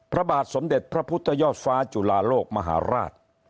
พระบาทสมเด็จพระพุทธยอดฟ้าจุลาโลกมหาราช